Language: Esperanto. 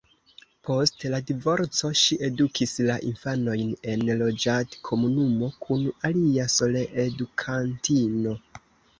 Post la divorco ŝi edukis la infanojn en loĝadkomunumo kun alia soleedukantino.